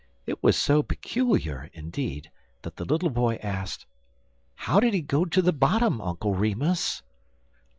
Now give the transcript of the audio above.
It was so peculiar, indeed, that the little boy asked: "How did he go to the bottom, Uncle Remus?"